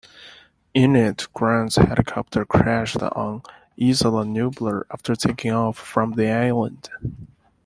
In it, Grant's helicopter crashes on Isla Nublar after taking off from the island.